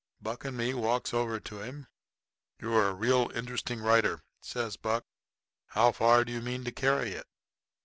Buck and me walks over to him. "You're a real interesting writer," says Buck. "How far do you mean to carry it?